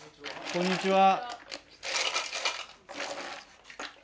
こんにちは。